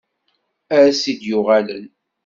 Ass i d-yuɣalen.